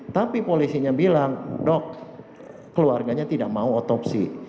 tapi polisinya bilang dok keluarganya tidak mau otopsi